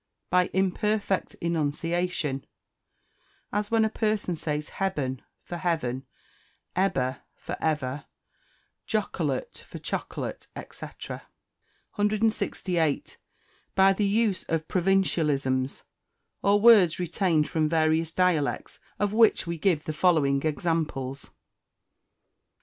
By Imperfect Enunciation, as when a person says hebben for heaven, ebber for ever, jocholate for chocolate, &c. 168. By the Use of Provincialisms, or words retained from various dialects, of which we give the following examples: 169.